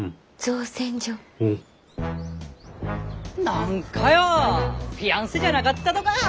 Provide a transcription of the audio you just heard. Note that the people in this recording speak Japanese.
何かよぉフィアンセじゃなかったとか！